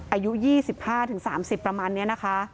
อายุ๒๕๓๐ประมาณนี้นะคะ